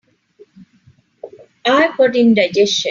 I've got indigestion.